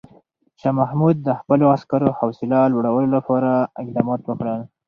شاه محمود د خپلو عسکرو حوصله لوړولو لپاره اقدامات وکړل.